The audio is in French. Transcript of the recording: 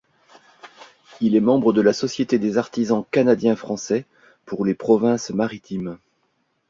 Il est membre de la Société des Artisans canadiens-français pour les provinces Maritimes.